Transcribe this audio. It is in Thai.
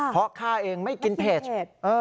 เพราะข้าเองไม่กินเผ็ด